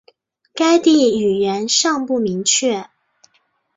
该地语源尚不明确。